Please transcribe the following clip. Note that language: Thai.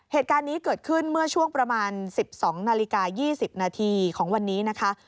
เหตุการณ์นี้เกิดขึ้นเมื่อช่วงประมาณ๑๒นาฬิกา๒๐นาทีของวันนี้นะคะ